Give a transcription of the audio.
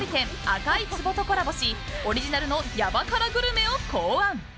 赤い壺とコラボしオリジナルのヤバ辛グルメを考案。